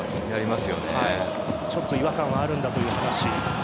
ちょっと違和感があるんだという話。